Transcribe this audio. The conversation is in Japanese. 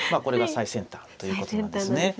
これが最先端ということなんですね。